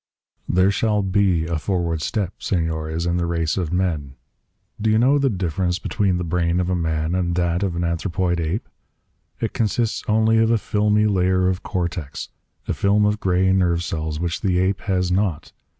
"There shall be a forward step, Senores, in the race of men. Do you know the difference between the brain of a man and that of an anthropoid ape? It consists only of a filmy layer of cortex, a film of gray nerve cells which the ape has not.